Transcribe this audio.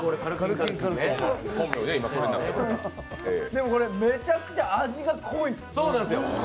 でもこれ、めちゃくちゃ味が濃い！